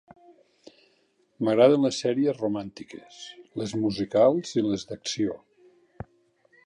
M'agraden les sèries romàntiques, les musicals i les d'acció.